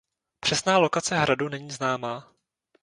Přesná lokace hradu není známá.